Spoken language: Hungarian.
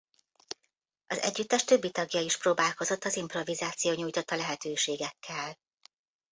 Az együttes többi tagjai is próbálkozott az improvizáció nyújtotta lehetőségekkel.